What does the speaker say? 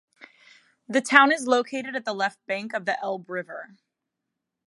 The town is located at the left bank of the Elbe river.